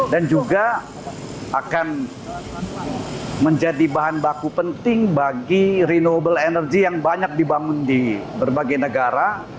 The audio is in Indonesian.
dan juga akan menjadi bahan baku penting bagi renewable energy yang banyak dibangun di berbagai negara